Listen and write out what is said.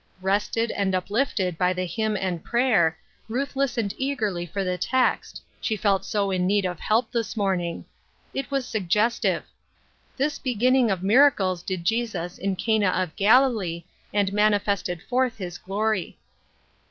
Rested and uplifted by the hymn and prayer, Ruth listened eagerly for the text ; she felt so in need of help this morning ! It was suggestive :—" This beginning of miracles did Jesus in Cana of Galilee, and manifested forth his glory."